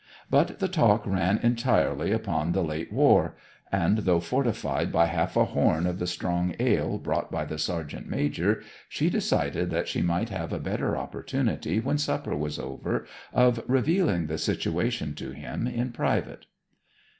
But the talk ran entirely upon the late war; and though fortified by half a horn of the strong ale brought by the sergeant major she decided that she might have a better opportunity when supper was over of revealing the situation to him in private.